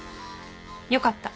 よかった。